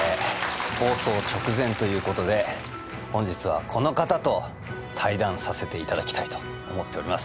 放送直前ということで本日はこの方と対談させていただきたいと思っております。